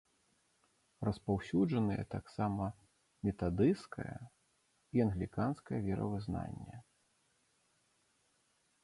Распаўсюджаныя таксама метадысцкае і англіканскае веравызнанне.